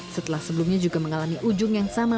setelah sebelumnya juga mengalami ujung yang sama